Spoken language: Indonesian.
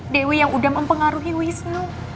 dewi yang udah mempengaruhi wisnu